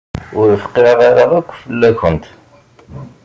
Ur fqiɛeɣ ara akk fell-akent.